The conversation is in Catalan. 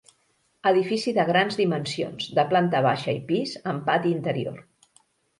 Edifici de grans dimensions, de planta baixa i pis, amb pati interior.